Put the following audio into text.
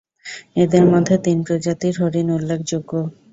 এদের মধ্যে তিন প্রজাতির হরিণ উল্লেখযোগ্য।